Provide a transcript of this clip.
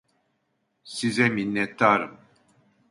Size minnettarım!